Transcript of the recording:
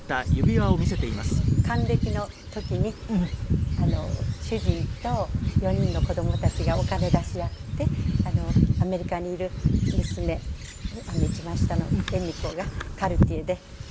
これは私の還暦の時に主人と４人の子供たちがお金出し合ってアメリカにいる娘一番下の絵美子がカルティエで買ってくれて。